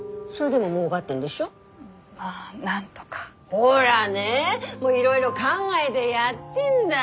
ほらねいろいろ考えでやってんだ。